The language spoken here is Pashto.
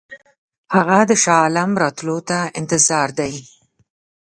هغه د شاه عالم راتلو ته انتظار دی.